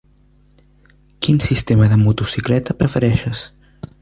Quin sistema de motocicleta prefereixes?